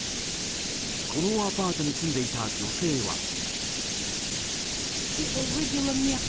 このアパートに住んでいた女性は。